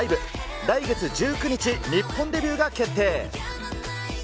来月１９日、日本デビューが決定。